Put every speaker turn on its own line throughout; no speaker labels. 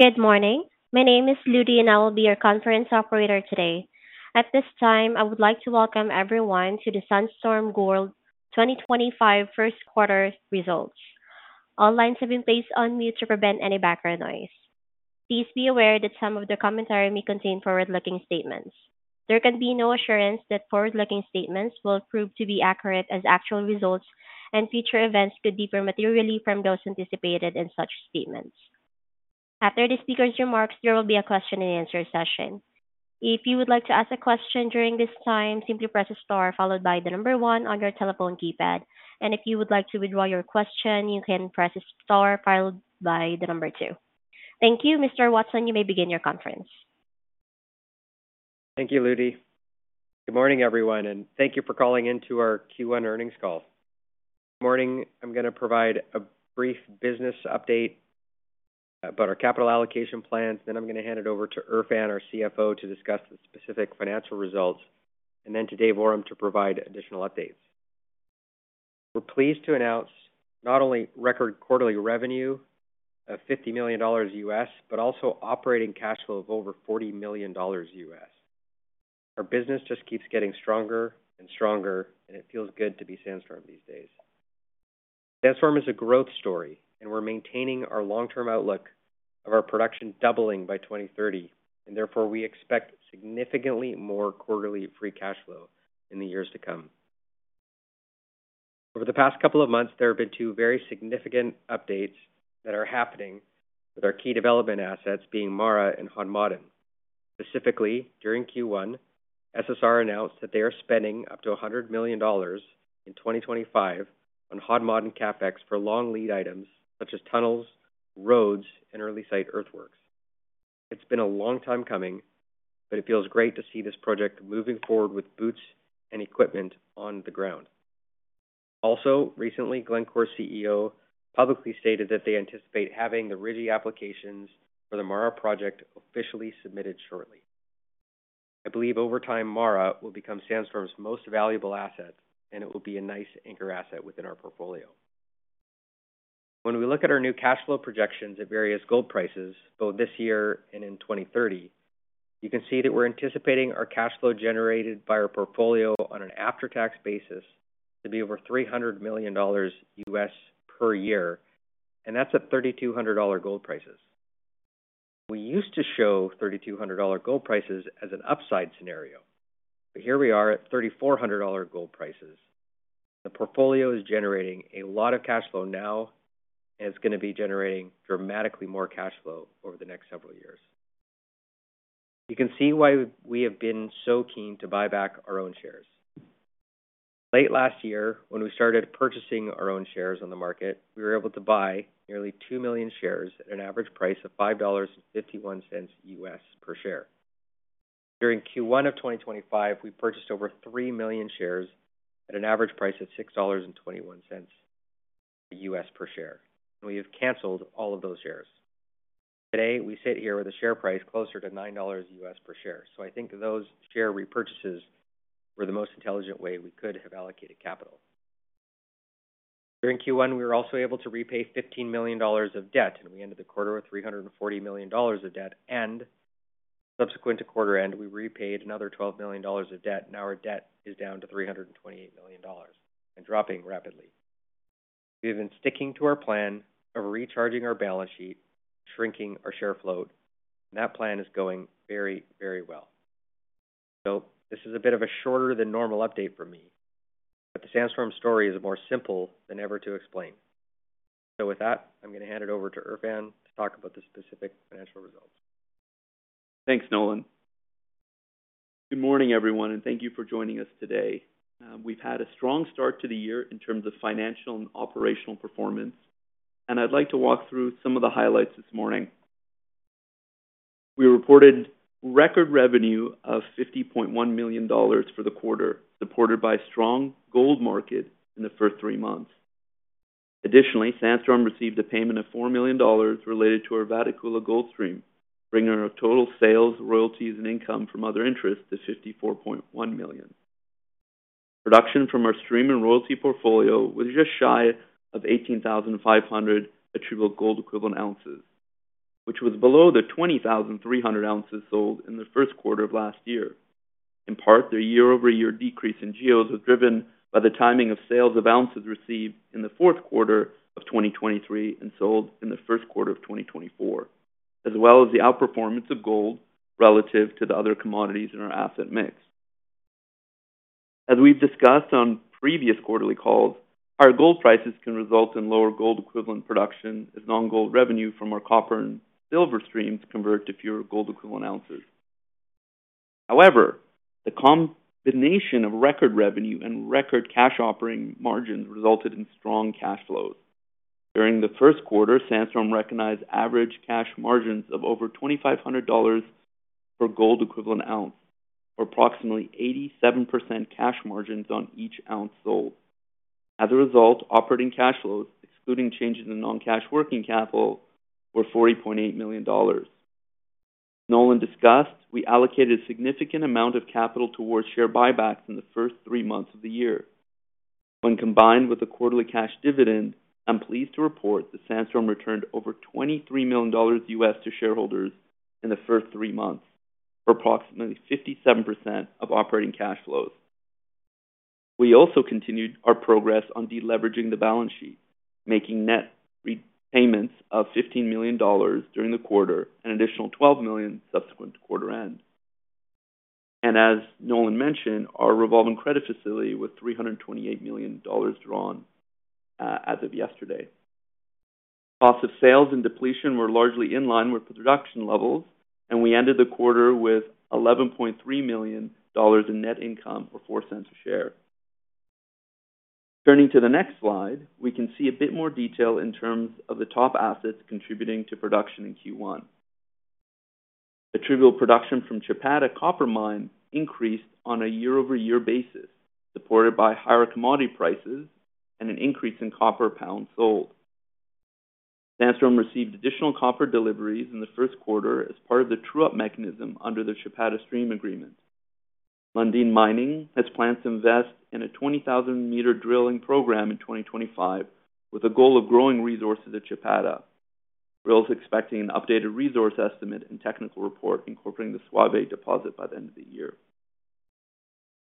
Good morning. My name is Ludi, and I will be your conference operator today. At this time, I would like to welcome everyone to the Sandstorm Gold 2025 first quarter results. All lines have been placed on mute to prevent any background noise. Please be aware that some of the commentary may contain forward-looking statements. There can be no assurance that forward-looking statements will prove to be accurate, as actual results and future events could differ materially from those anticipated in such statements. After the speaker's remarks, there will be a question-and-answer session. If you would like to ask a question during this time, simply press a star followed by the number one on your telephone keypad. If you would like to withdraw your question, you can press a star followed by the number two. Thank you. Mr. Watson, you may begin your conference.
Thank you, Ludi. Good morning, everyone, and thank you for calling into our Q1 earnings call. This morning, I'm going to provide a brief business update about our capital allocation plans. Then I'm going to hand it over to Erfan, our CFO, to discuss the specific financial results, and then to Dave Awram to provide additional updates. We're pleased to announce not only record quarterly revenue of $50 million, but also operating cash flow of over $40 million. Our business just keeps getting stronger and stronger, and it feels good to be Sandstorm these days. Sandstorm is a growth story, and we're maintaining our long-term outlook of our production doubling by 2030. Therefore, we expect significantly more quarterly free cash flow in the years to come. Over the past couple of months, there have been two very significant updates that are happening, with our key development assets being MARA and Hod Maden. Specifically, during Q1, SSR announced that they are spending up to $100 million in 2025 on Hod Maden CapEx for long lead items such as tunnels, roads, and early site earthworks. It's been a long time coming, but it feels great to see this project moving forward with boots and equipment on the ground. Also, recently, Glencore CEO publicly stated that they anticipate having the RIGI applications for the MARA project officially submitted shortly. I believe over time, MARA will become Sandstorm's most valuable asset, and it will be a nice anchor asset within our portfolio. When we look at our new cash flow projections at various gold prices, both this year and in 2030, you can see that we're anticipating our cash flow generated by our portfolio on an after-tax basis to be over $300 million U.S. per year, and that's at $3,200 gold prices. We used to show $3,200 gold prices as an upside scenario, but here we are at $3,400 gold prices, and the portfolio is generating a lot of cash flow now, and it's going to be generating dramatically more cash flow over the next several years. You can see why we have been so keen to buy back our own shares. Late last year, when we started purchasing our own shares on the market, we were able to buy nearly 2 million shares at an average price of $5.51 U.S. per share. During Q1 of 2025, we purchased over 3 million shares at an average price of $6.21 U.S. per share, and we have canceled all of those shares. Today, we sit here with a share price closer to $9 U.S. per share. I think those share repurchases were the most intelligent way we could have allocated capital. During Q1, we were also able to repay $15 million of debt, and we ended the quarter with $340 million of debt. Subsequent to quarter end, we repaid another $12 million of debt, and now our debt is down to $328 million and dropping rapidly. We have been sticking to our plan of recharging our balance sheet, shrinking our share float, and that plan is going very, very well. This is a bit of a shorter than normal update from me, but the Sandstorm story is more simple than ever to explain. With that, I'm going to hand it over to Erfan to talk about the specific financial results.
Thanks, Nolan. Good morning, everyone, and thank you for joining us today. We've had a strong start to the year in terms of financial and operational performance, and I'd like to walk through some of the highlights this morning. We reported record revenue of $50.1 million for the quarter, supported by a strong gold market in the first three months. Additionally, Sandstorm received a payment of $4 million related to our Vatukoula Gold Stream, bringing our total sales, royalties, and income from other interest to $54.1 million. Production from our stream and royalty portfolio was just shy of 18,500 attributable gold equivalent ounces, which was below the 20,300 oz sold in the first quarter of last year. In part, the year-over-year decrease in GEOs was driven by the timing of sales of ounces received in the fourth quarter of 2023 and sold in the first quarter of 2024, as well as the outperformance of gold relative to the other commodities in our asset mix. As we've discussed on previous quarterly calls, higher gold prices can result in lower gold equivalent production, as non-gold revenue from our copper and silver streams convert to fewer gold equivalent ounces. However, the combination of record revenue and record cash operating margins resulted in strong cash flows. During the first quarter, Sandstorm recognized average cash margins of over $2,500 per gold equivalent ounce, or approximately 87% cash margins on each ounce sold. As a result, operating cash flows, excluding changes in non-cash working capital, were $40.8 million. As Nolan discussed, we allocated a significant amount of capital towards share buybacks in the first three months of the year. When combined with the quarterly cash dividend, I'm pleased to report that Sandstorm returned over $23 million U.S. to shareholders in the first three months, or approximately 57% of operating cash flows. We also continued our progress on deleveraging the balance sheet, making net repayments of $15 million during the quarter and an additional $12 million subsequent to quarter end. As Nolan mentioned, our revolving credit facility with $328 million drawn as of yesterday. Cost of sales and depletion were largely in line with production levels, and we ended the quarter with $11.3 million in net income or $0.04 a share. Turning to the next slide, we can see a bit more detail in terms of the top assets contributing to production in Q1. Attributable production from Chapada Copper Mine increased on a year-over-year basis, supported by higher commodity prices and an increase in copper pounds sold. Sandstorm received additional copper deliveries in the first quarter as part of the true-up mechanism under the Chapada Stream Agreement. Lundin Mining has plans to invest in a 20,000-meter drilling program in 2025, with a goal of growing resources at Chapada. Drills are expecting an updated resource estimate and technical report incorporating the Suave deposit by the end of the year.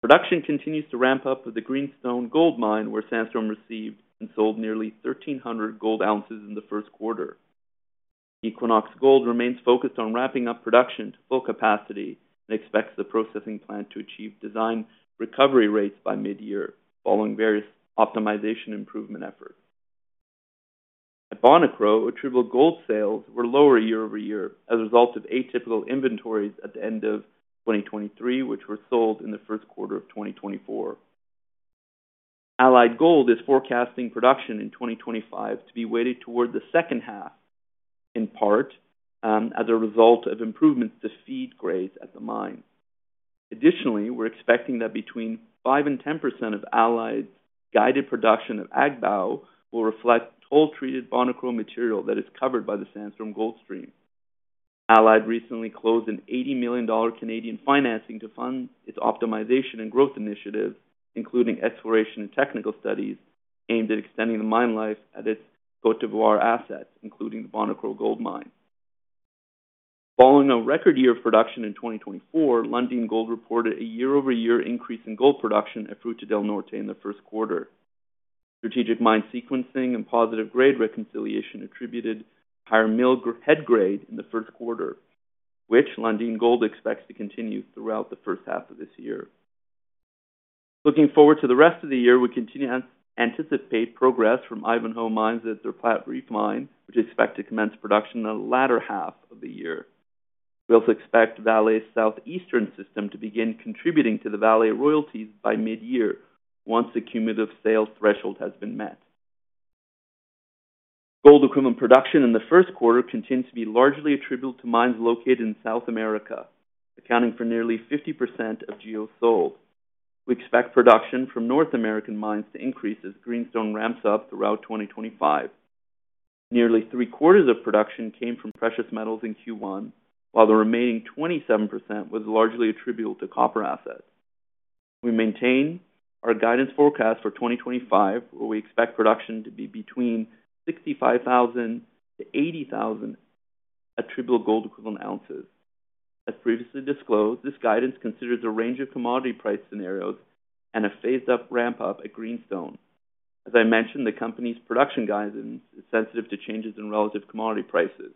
Production continues to ramp up with the Greenstone Gold Mine, where Sandstorm received and sold nearly 1,300 gold ounces in the first quarter. Equinox Gold remains focused on ramping up production to full capacity and expects the processing plant to achieve design recovery rates by mid-year, following various optimization improvement efforts. At Bonikro, attributable gold sales were lower year-over-year as a result of atypical inventories at the end of 2023, which were sold in the first quarter of 2024. Allied Gold is forecasting production in 2025 to be weighted toward the second half, in part as a result of improvements to feed grades at the mine. Additionally, we're expecting that between 5%-10% of Allied's guided production of Agbaou will reflect toll-treated Bonikro material that is covered by the Sandstorm Gold Stream. Allied recently closed a 80 million Canadian dollars financing to fund its optimization and growth initiative, including exploration and technical studies aimed at extending the mine life at its Cote d'Ivoire assets, including the Bonikro Gold Mine. Following a record year of production in 2024, Lundin Gold reported a year-over-year increase in gold production at Fruta del Norte in the first quarter. Strategic mine sequencing and positive grade reconciliation attributed higher mill head grade in the first quarter, which Lundin Gold expects to continue throughout the first half of this year. Looking forward to the rest of the year, we continue to anticipate progress from Ivanhoe Mines at their Platreef Mine, which is expected to commence production in the latter half of the year. We also expect Vale's southeastern system to begin contributing to the Vale royalties by mid-year once the cumulative sales threshold has been met. Gold equivalent production in the first quarter continues to be largely attributable to mines located in South America, accounting for nearly 50% of GEOs sold. We expect production from North American mines to increase as Greenstone ramps up throughout 2025. Nearly three quarters of production came from precious metals in Q1, while the remaining 27% was largely attributable to copper assets. We maintain our guidance forecast for 2025, where we expect production to be between 65,000-80,000 attributable gold equivalent ounces. As previously disclosed, this guidance considers a range of commodity price scenarios and a phased-up ramp-up at Greenstone. As I mentioned, the company's production guidance is sensitive to changes in relative commodity prices.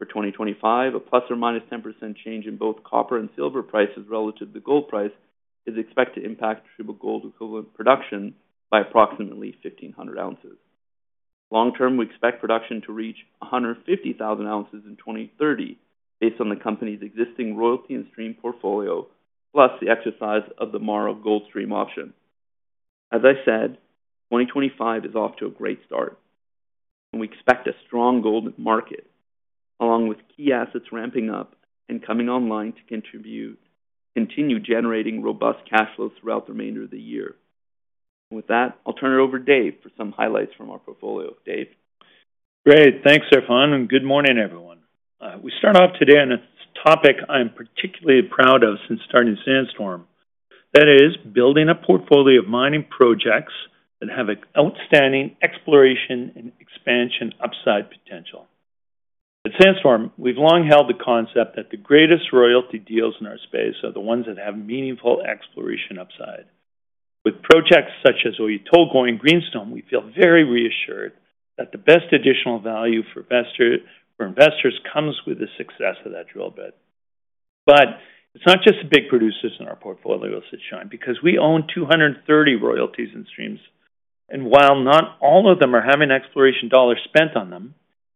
For 2025, a plus or minus 10% change in both copper and silver prices relative to the gold price is expected to impact attributable gold equivalent production by approximately 1,500 oz. Long term, we expect production to reach 150,000 oz in 2030, based on the company's existing royalty and stream portfolio, plus the exercise of the MARA Gold Stream option. As I said, 2025 is off to a great start, and we expect a strong gold market, along with key assets ramping up and coming online to continue generating robust cash flows throughout the remainder of the year. With that, I'll turn it over to Dave for some highlights from our portfolio. Dave.
Great. Thanks, Erfan, and good morning, everyone. We start off today on a topic I'm particularly proud of since starting Sandstorm. That is building a portfolio of mining projects that have an outstanding exploration and expansion upside potential. At Sandstorm, we've long held the concept that the greatest royalty deals in our space are the ones that have meaningful exploration upside. With projects such as Omai and Greenstone, we feel very reassured that the best additional value for investors comes with the success of that drill bed. It is not just the big producers in our portfolio that should shine, because we own 230 royalties and streams, and while not all of them are having exploration dollars spent on them,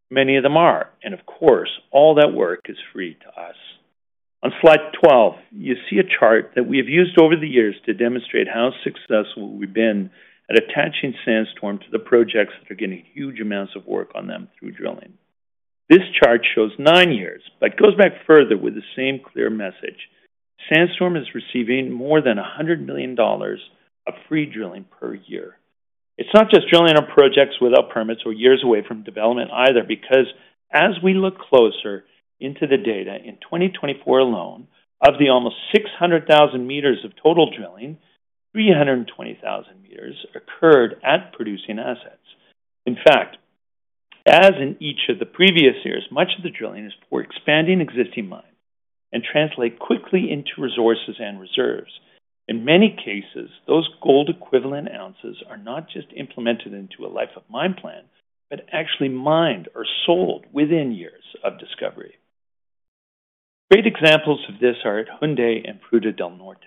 many of them are. Of course, all that work is free to us. On slide 12, you see a chart that we have used over the years to demonstrate how successful we've been at attaching Sandstorm to the projects that are getting huge amounts of work on them through drilling. This chart shows nine years, but it goes back further with the same clear message. Sandstorm is receiving more than $100 million of free drilling per year. It's not just drilling on projects without permits or years away from development either, because as we look closer into the data in 2024 alone, of the almost 600,000 m of total drilling, 320,000 m occurred at producing assets. In fact, as in each of the previous years, much of the drilling is for expanding existing mines and translates quickly into resources and reserves. In many cases, those gold equivalent ounces are not just implemented into a life-of-mine plan, but actually mined or sold within years of discovery. Great examples of this are at Hyundai and Fruta del Norte,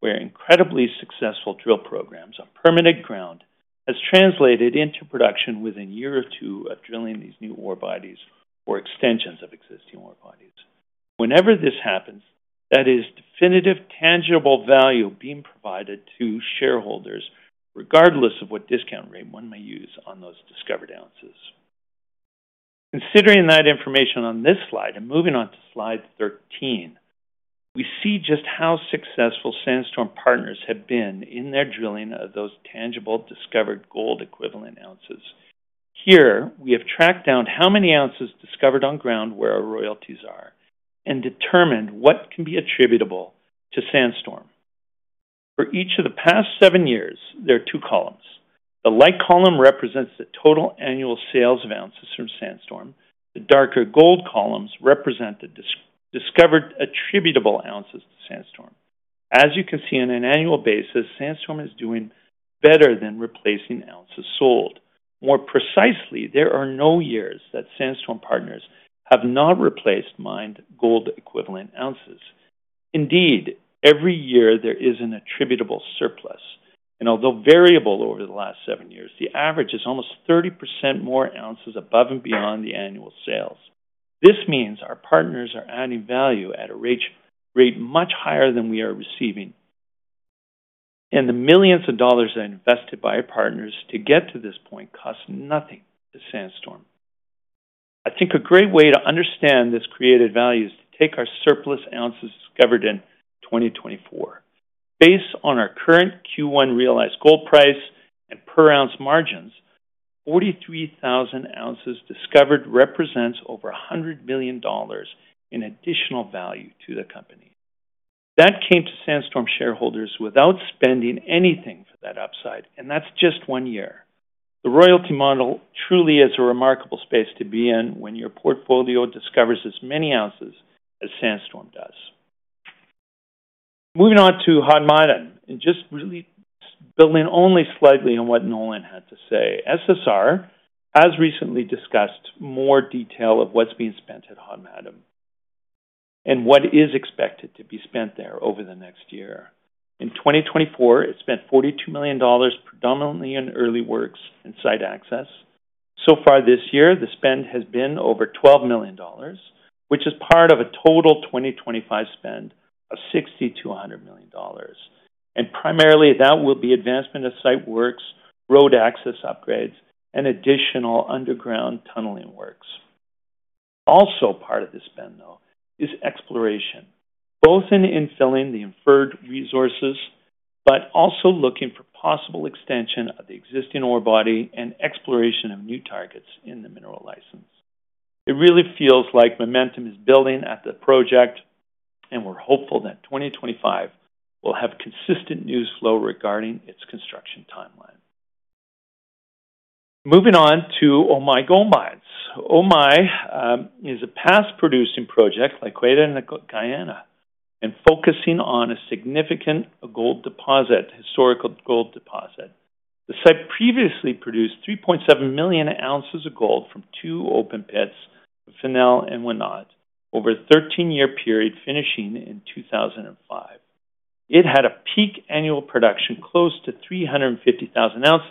where incredibly successful drill programs on permanent ground have translated into production within a year or two of drilling these new ore bodies or extensions of existing ore bodies. Whenever this happens, that is definitive tangible value being provided to shareholders, regardless of what discount rate one may use on those discovered ounces. Considering that information on this slide and moving on to slide 13, we see just how successful Sandstorm partners have been in their drilling of those tangible discovered gold equivalent ounces. Here, we have tracked down how many ounces discovered on ground where our royalties are and determined what can be attributable to Sandstorm. For each of the past seven years, there are two columns. The light column represents the total annual sales of ounces from Sandstorm. The darker gold columns represent the discovered attributable ounces to Sandstorm. As you can see, on an annual basis, Sandstorm is doing better than replacing ounces sold. More precisely, there are no years that Sandstorm partners have not replaced mined gold equivalent ounces. Indeed, every year there is an attributable surplus, and although variable over the last seven years, the average is almost 30% more ounces above and beyond the annual sales. This means our partners are adding value at a rate much higher than we are receiving, and the millions of dollars that are invested by our partners to get to this point cost nothing to Sandstorm. I think a great way to understand this created value is to take our surplus ounces discovered in 2024. Based on our current Q1 realized gold price and per-ounce margins, 43,000 oz discovered represents over $100 million in additional value to the company. That came to Sandstorm shareholders without spending anything for that upside, and that's just one year. The royalty model truly is a remarkable space to be in when your portfolio discovers as many ounces as Sandstorm does. Moving on to Hod Maden, and just really building only slightly on what Nolan had to say, SSR has recently discussed more detail of what's being spent at Hod Maden and what is expected to be spent there over the next year. In 2024, it spent $42 million, predominantly in early works and site access. So far this year, the spend has been over $12 million, which is part of a total 2025 spend of $6,200 million. Primarily, that will be advancement of site works, road access upgrades, and additional underground tunneling works. Also part of the spend, though, is exploration, both in infilling the inferred resources, but also looking for possible extension of the existing ore body and exploration of new targets in the mineral license. It really feels like momentum is building at the project, and we're hopeful that 2025 will have consistent news flow regarding its construction timeline. Moving on to Omai Gold Mines. Omai is a past producing project like Cueva de la Cayena and focusing on a significant gold deposit, historical gold deposit. The site previously produced 3.7 million oz of gold from two open pits, Finnell and Wenot, over a 13-year period, finishing in 2005. It had a peak annual production close to 350,000 oz,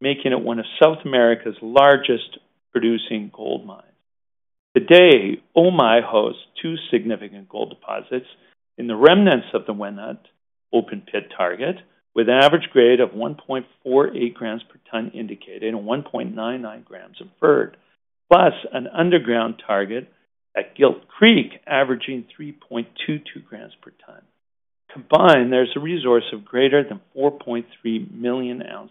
making it one of South America's largest producing gold mines. Today, Omai hosts two significant gold deposits in the remnants of the Wenot open pit target, with an average grade of 1.48 g per ton indicated and 1.99 g inferred, plus an underground target at Gilt Creek averaging 3.22 g per ton. Combined, there is a resource of greater than 4.3 million oz.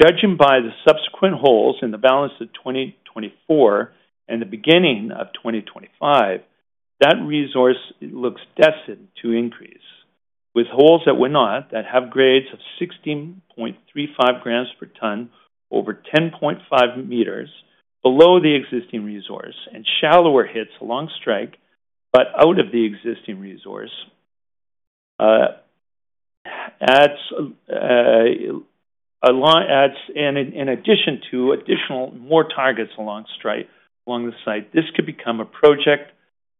Judging by the subsequent holes in the balance of 2024 and the beginning of 2025, that resource looks destined to increase, with holes at Wenot that have grades of 16.35 g per ton over 10.5 m below the existing resource and shallower hits along strike but out of the existing resource. In addition to additional more targets along strike along the site, this could become a project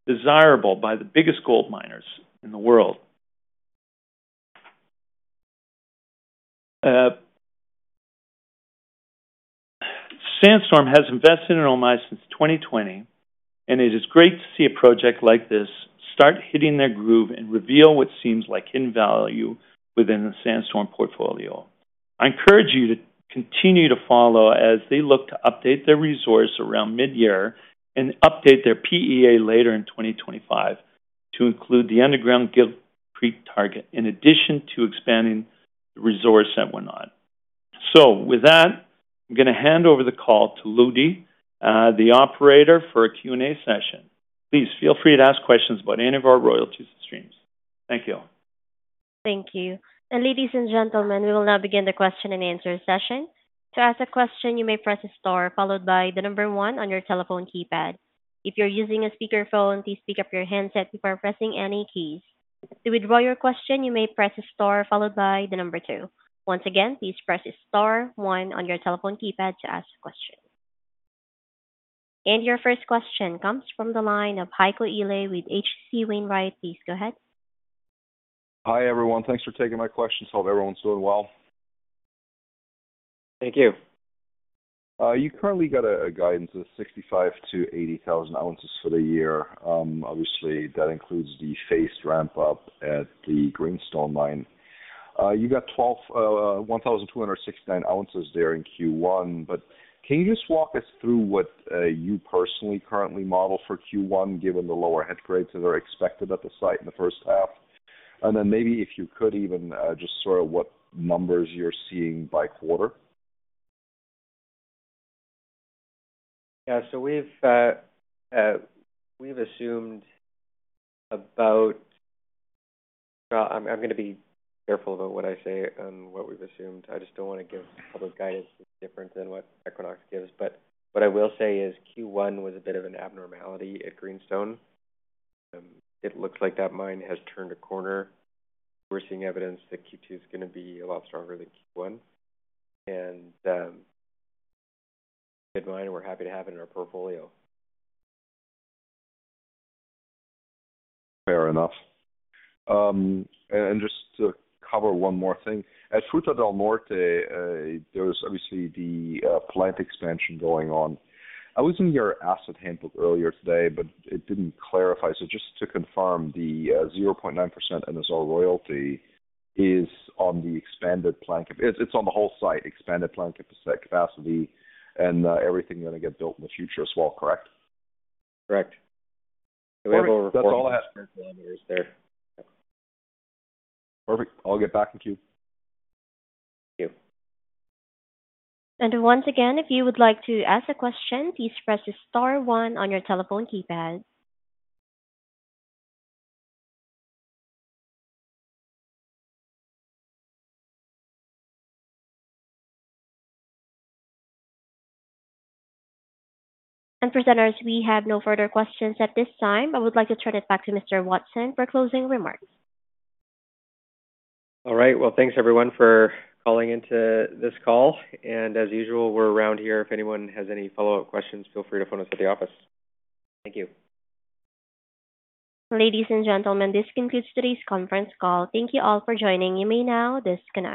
desirable by the biggest gold miners in the world. Sandstorm has invested in Omai since 2020, and it is great to see a project like this start hitting their groove and reveal what seems like hidden value within the Sandstorm portfolio. I encourage you to continue to follow as they look to update their resource around mid-year and update their PEA later in 2025 to include the underground Gilt Creek target, in addition to expanding the resource at Wenot. With that, I'm going to hand over the call to Ludi, the operator for a Q&A session. Please feel free to ask questions about any of our royalties and streams. Thank you.
Thank you. Ladies and gentlemen, we will now begin the question and answer session. To ask a question, you may press star, followed by the number one on your telephone keypad. If you're using a speakerphone, please pick up your handset before pressing any keys. To withdraw your question, you may press star, followed by the number two. Once again, please press star, one on your telephone keypad to ask a question. Your first question comes from the line of Heiko Ihle with HC Wainwright. Please go ahead.
Hi everyone. Thanks for taking my question. Hope everyone's doing well.
Thank you.
You currently got a guidance of 65,000-80,000 oz for the year. Obviously, that includes the phased ramp-up at the Greenstone mine. You got 1,269 oz there in Q1, but can you just walk us through what you personally currently model for Q1, given the lower head grades that are expected at the site in the first half? And then maybe if you could even just sort of what numbers you're seeing by quarter.
Yeah. So we've assumed about, I'm going to be careful about what I say and what we've assumed. I just don't want to give public guidance that's different than what Equinox gives. What I will say is Q1 was a bit of an abnormality at Greenstone. It looks like that mine has turned a corner. We're seeing evidence that Q2 is going to be a lot stronger than Q1. We're happy to have it in our portfolio.
Fair enough. Just to cover one more thing. At Fruta del Norte, there's obviously the plant expansion going on. I was in your asset handbook earlier today, but it did not clarify. Just to confirm, the 0.9% NSR royalty is on the expanded plant capacity. It is on the whole site, expanded plant capacity and everything going to get built in the future as well, correct?
Correct.
That's all I have.
Perfect.
Perfect. I'll get back in queue.
Thank you.
Once again, if you would like to ask a question, please press star, one on your telephone keypad. As we have no further questions at this time, I would like to turn it back to Mr. Watson for closing remarks.
All right. Thanks everyone for calling into this call. As usual, we're around here. If anyone has any follow-up questions, feel free to phone us at the office. Thank you.
Ladies and gentlemen, this concludes today's conference call. Thank you all for joining. You may now disconnect.